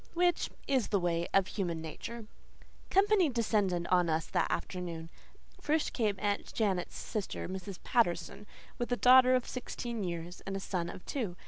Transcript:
Which is the way of human nature. Company descended on us that afternoon. First came Aunt Janet's sister, Mrs. Patterson, with a daughter of sixteen years and a son of two.